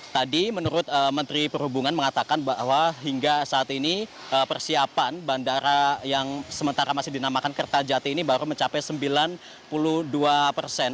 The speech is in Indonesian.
tadi menurut menteri perhubungan mengatakan bahwa hingga saat ini persiapan bandara yang sementara masih dinamakan kertajati ini baru mencapai sembilan puluh dua persen